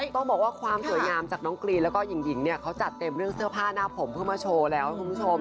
ต้องบอกว่าความสวยงามจากน้องกรีนแล้วก็หญิงเนี่ยเขาจัดเต็มเรื่องเสื้อผ้าหน้าผมเพื่อมาโชว์แล้วคุณผู้ชม